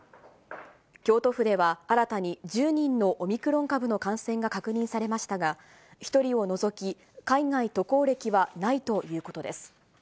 京都府では新たに１０人のオミクロン株の感染が確認されましたが、１人を除き海外渡航歴はないということです。